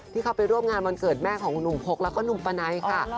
ที่เขาไปร่วมงานวันเกิดแม่ของคุณหนุ่มพกแล้วก็คุณหนุ่มประไนท์ค่ะ